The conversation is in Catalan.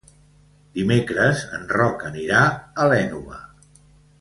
Dimecres en Roc anirà a l'Énova.